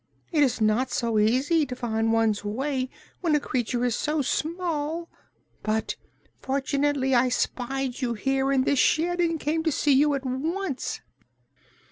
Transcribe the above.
It is not so easy to find one's way when a creature is so small, but fortunately I spied you here in this shed and came to you at once."